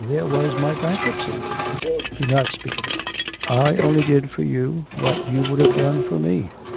There was my bankruptcy ' 'Do not speak of it. I only did for you what you would have done for me.